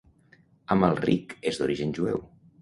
Amalric és d'origen jueu.